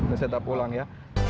nge setup ulang ya